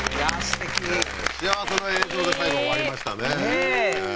すてき幸せな映像で最後終わりましたねねえ